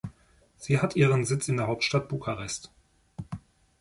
Sie hat ihren Sitz in der Hauptstadt Bukarest.